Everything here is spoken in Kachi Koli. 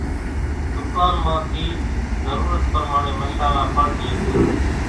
ڌُڪان مان ٿي ضرورت پرماڻي مشالا پڻ لئي سي۔